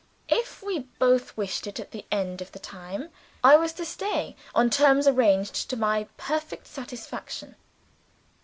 If we both wished it at the end of the time, I was to stay, on terms arranged to my perfect satisfaction.